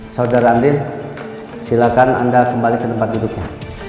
saudara andin silahkan anda kembali ke tempat hidupnya